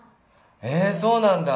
えそうなんだ！